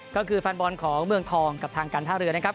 ก็คือแฟนบอลของเมืองทองกับทางการท่าเรือนะครับ